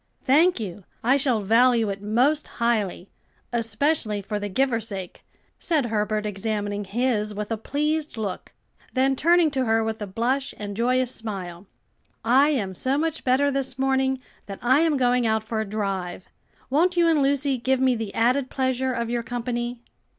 "Thank you, I shall value it most highly; especially for the giver's sake," said Herbert, examining his with a pleased look, then turning to her with a blush and joyous smile, "I am so much better this morning that I am going out for a drive. Won't you and Lucy give me the added pleasure of your company?"